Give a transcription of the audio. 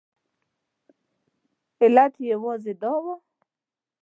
علت یې یوازې دا و.